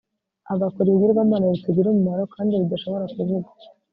agakora ibigirwamana bitagira umumaro kandi bidashobora kuvuga